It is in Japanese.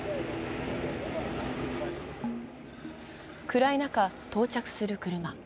暗い中、到着する車。